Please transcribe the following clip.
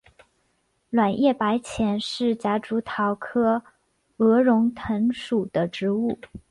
卵叶白前是夹竹桃科鹅绒藤属的植物。